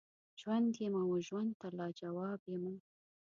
ژوند یمه وژوند ته لاجواب یمه